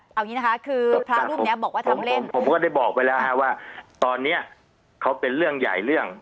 เอางี้นะคะคือพระรูปเนี้ยบอกว่าทำเล่นผมก็ได้บอกไปแล้วฮะว่าตอนนี้เขาเป็นเรื่องใหญ่เรื่อง